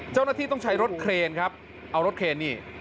เจ้าหน้าที่ต้องใช้รถเครนครับเอารถเครนนี่